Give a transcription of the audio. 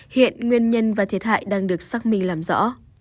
hiện nguyên nhân và thiệt hại đang được xác minh làm rõ